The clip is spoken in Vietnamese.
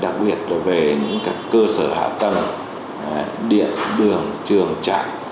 đặc biệt là về những cơ sở hạ tầng điện đường trường trại